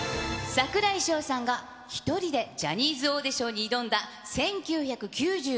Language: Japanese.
櫻井翔さんが１人でジャニーズオーディションに挑んだ１９９５年。